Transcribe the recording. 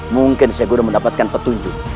mungkin syekh guru mendapatkan petunjuk